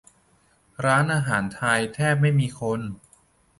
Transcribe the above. ร้านอาหารแทบไม่มีคน